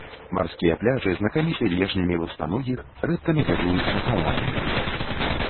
Марскія пляжы знакаміты лежнямі ластаногіх, рэдка наведваюцца каланамі.